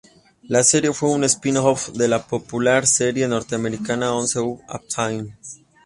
La serie fue un spin-off de la popular serie norteamericana Once Upon a Time.